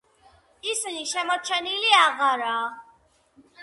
ისინი შემორჩენილი აღარაა.